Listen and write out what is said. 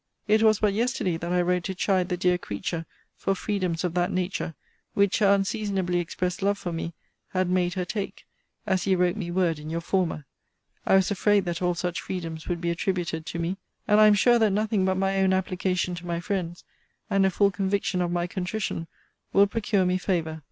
It was but yesterday that I wrote to chide the dear creature for freedoms of that nature, which her unseasonably expressed love for me had made her take, as you wrote me word in your former. I was afraid that all such freedoms would be attributed to me. And I am sure that nothing but my own application to my friends, and a full conviction of my contrition, will procure me favour.